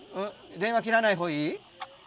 電話切らない方いい？